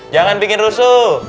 jangan bikin rusuh